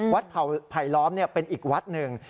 ไผลล้อมเป็นอีกวัดหนึ่ง